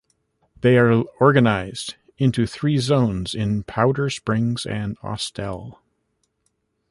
They are organized into three zones in Powder Springs and Austell.